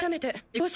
よし！